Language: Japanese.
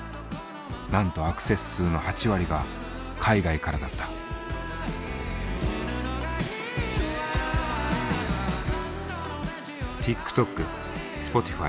なんとアクセス数の８割が海外からだった。ＴｉｋＴｏｋＳｐｏｔｉｆｙ